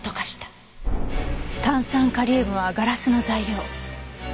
炭酸カリウムはガラスの材料。